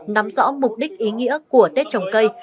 nắm rõ mục đích ý nghĩa của tết trồng cây